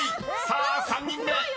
さあ３人目］